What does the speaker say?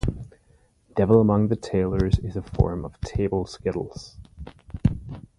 Devil among the tailors is a form of table skittles.